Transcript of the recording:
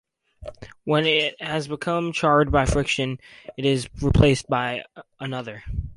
When it has become charred by friction, it is replaced by another.